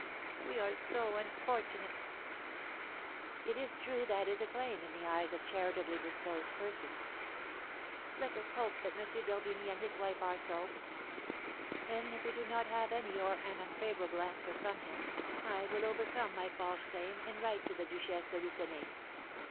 "We are so unfortunate!" "It is true that is a claim in the eyes of charitably disposed persons." "Let us hope that M. d'Orbigny and his wife are so." "Then if we do not have any or an unfavorable answer from him, I will overcome my false shame, and write to the Duchesse de Lucenay."